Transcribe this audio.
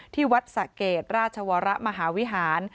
ที่วัดสะเกดราชวรมหาวิหาร